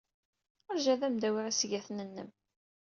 Ṛju ad am-d-awiɣ isgaten-nnem.